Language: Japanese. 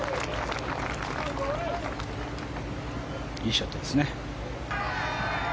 いいショットですね。